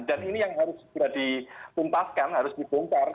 dan ini yang harus sudah dipungpaskan harus dibongkar